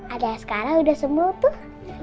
ada yang sekarang udah sembuh